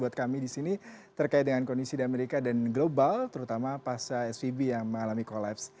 buat kami di sini terkait dengan kondisi di amerika dan global terutama pasca svb yang mengalami kolaps